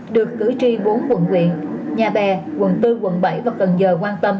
được cử tri bốn quận quyện nhà bè quận bốn quận bảy và cần giờ quan tâm